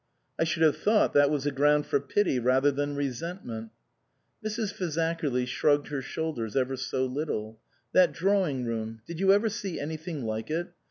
"I should have thought that was a ground for pity rather than resentment." Mrs. Fazakerly shrugged her shoulders ever so little. "That dra wing room did you ever see anything like it?